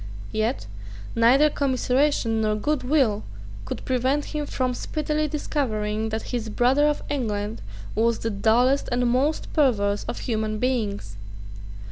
Yet neither commiseration nor good will could prevent him from speedily discovering that his brother of England was the dullest and most perverse of human beings.